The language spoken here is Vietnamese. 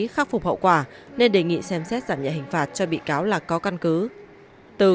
khắc phục hậu quả nên đề nghị xem xét giảm nhẹ hình phạt cho bị cáo là có căn cứ